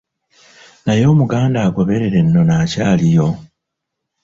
Naye Omuganda agaoberera ennono akyaliyo?